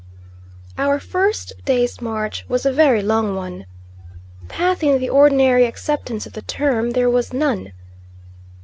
Our first day's march was a very long one. Path in the ordinary acceptance of the term there was none.